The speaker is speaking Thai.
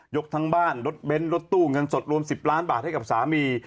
ทั้งบ้านรถเบ้นรถตู้เงินสดรวม๑๐ล้านบาทให้กับสามี